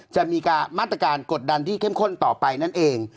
จะมีมาตรการกดดันที่เข้มข้นต่อไปนั่นเอง